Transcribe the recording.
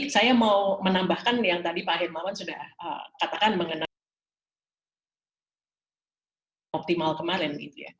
saya mau menambahkan yang tadi pak aheb mawon sudah katakan mengenai optimal kemarin